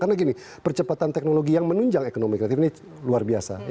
karena gini percepatan teknologi yang menunjang ekonomi kreatif ini luar biasa